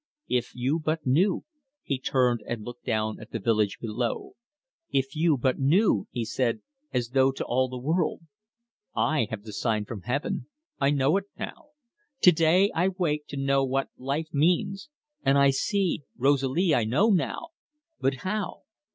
"If you but knew" he turned and looked down at the village below "if you but knew!" he said, as though to all the world. "I have the sign from heaven I know it now. To day I wake to know what life means, and I see Rosalie! I know now but how?